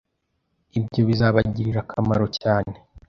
ibyo bizabagirira akamaro cyane